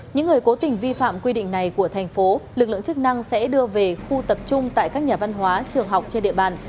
những người cố tình vi phạm quy định này của thành phố lực lượng chức năng sẽ đưa về khu tập trung tại các nhà văn hóa trường học trên địa bàn